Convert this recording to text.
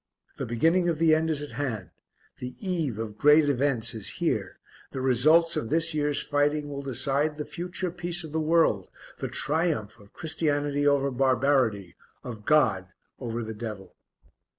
The beginning of the end is at hand, the eve of great events is here; the results of this year's fighting will decide the future peace of the world, the triumph of Christianity over barbarity, of God over the devil.